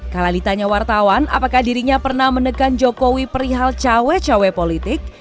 kalau ditanya wartawan apakah dirinya pernah menekan jokowi perihal cawe cawe politik